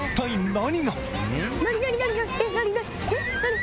何？